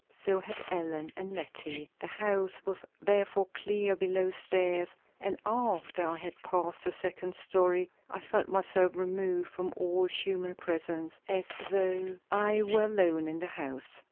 So had Ellen and Letty. The house was therefore clear below stairs, and after I had passed the second story I felt myself removed from all human presence as though I were all alone in the house.